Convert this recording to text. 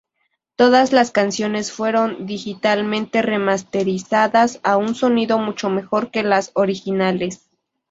Todas las canciones fueron digitalmente remasterizadas a un sonido mucho mejor que las originales.